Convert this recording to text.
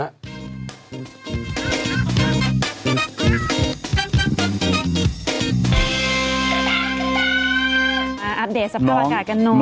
มาอัดเดตสรรพบันการณ์กันหน่อย